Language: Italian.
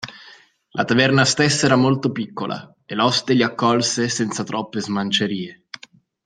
La taverna stessa era molto piccola, e l'oste li accolse senza troppe smancerie.